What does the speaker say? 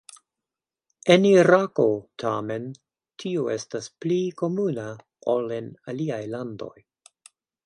En Irako tamen tio estas pli komuna ol en aliaj landoj.